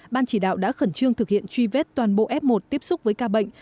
ban chỉ đạo đã khẩn trương thực hiện truy vết toàn bộ f một tiếp xúc với ca bệnh